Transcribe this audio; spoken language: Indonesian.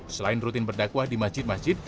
selain rutin berdakwah di masjid masjid